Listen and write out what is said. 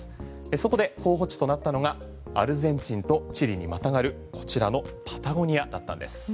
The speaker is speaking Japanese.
そこで候補地となったのがアルゼンチンとチリにまたがるこちらのパタゴニアだったんです。